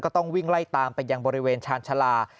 ต้องวิ่งไล่ตามไปยังบริเวณชาญชาลา